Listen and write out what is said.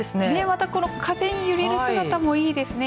風に揺れる姿もいいですね。